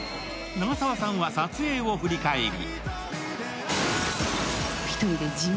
長澤さんは撮影を振り返り